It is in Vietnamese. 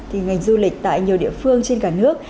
thì ngành du lịch tại nhiều địa phương trên cả nước